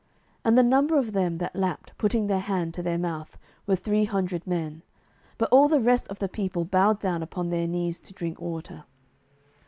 07:007:006 And the number of them that lapped, putting their hand to their mouth, were three hundred men: but all the rest of the people bowed down upon their knees to drink water.